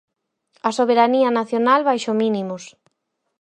A soberanía nacional, baixo mínimos.